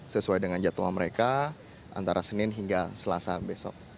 sesuai dengan jadwal mereka antara senin hingga selasa besok